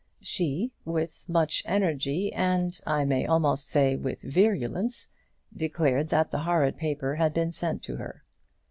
She, with much energy and, I may almost say, with virulence, declared that the horrid paper had been sent to her.